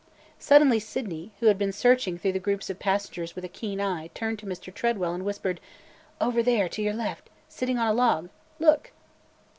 Suddenly Sydney, who had been searching through the groups of passengers with a keen eye, turned to Mr. Tredwell and whispered, "Over there, to your left, sitting on a log! Look!"